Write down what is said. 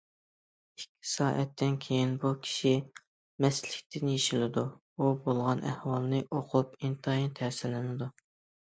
ئىككى سائەتتىن كېيىن بۇ كىشى مەستلىكتىن يېشىلىدۇ، ئۇ بولغان ئەھۋالنى ئۇقۇپ ئىنتايىن تەسىرلىنىدۇ.